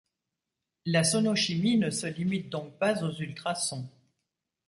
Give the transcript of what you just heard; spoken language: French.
La sonochimie ne se limite donc pas aux ultrasons.